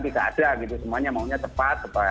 tidak ada gitu semuanya maunya cepat